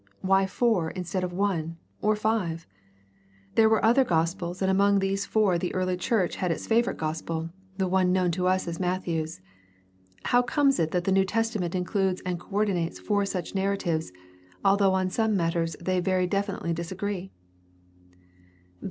Why four instead of one, or five ? There were other gospels and among THE STUDY OF THE NEW TESTAMENT 225 these four the early church had its favorite gospel, the one known to us as Matthew's. How comes it that the New Testament includes and co ordinates four such narratives, although on some matters they very definitely disagree?